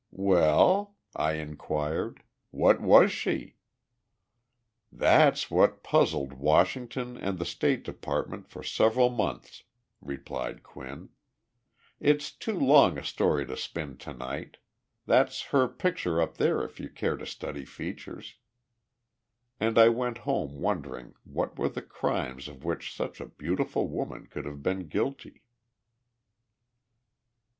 "Well," I inquired, "what was she?" "That's what puzzled Washington and the State Department for several months," replied Quinn. "It's too long a story to spin to night. That's her picture up there, if you care to study her features." And I went home wondering what were the crimes of which such a beautiful woman could have been guilty.